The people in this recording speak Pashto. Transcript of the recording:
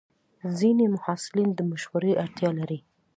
ځینې محصلین د مشورې اړتیا لري.